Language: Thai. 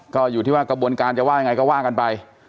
ก็อยู่ที่ว่ากระบวนการจะว่ายังไงก็ว่ากันไป